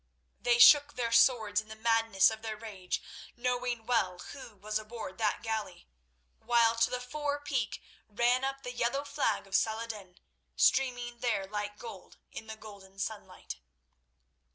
They shook their swords in the madness of their rage, knowing well who was aboard that galley; while to the fore peak ran up the yellow flag of Saladin, streaming there like gold in the golden sunlight.